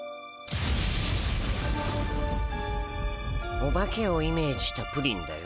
オバケをイメージしたプリンだよ。